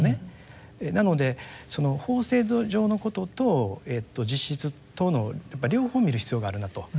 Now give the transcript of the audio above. なので法制度上のことと実質とのやっぱ両方を見る必要があるなと。